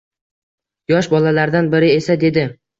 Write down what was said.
Yosh bolalardan biri esa dedi.